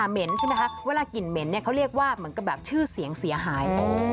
เห็นใช่ไหมคะเวลากลิ่นเหม็นเขาเรียกว่าเหมือนกับแบบชื่อเสียงเสียหาย